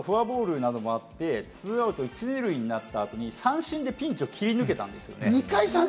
そのあと、フォアボールなどもあって、２アウト１・２塁になった後に、三振でピンチを切り抜けた。